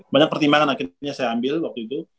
banyak pertimbangan akhirnya saya ambil waktu itu